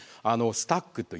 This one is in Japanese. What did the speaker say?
スタック？